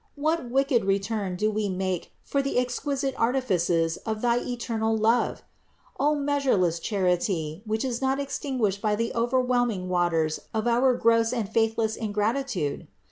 What wicked return do we make for the exquisite artifices of thy eternal love! O meas ureless charity, which is not extinguished by the over whelming waters of our gross and faithless ingratitude!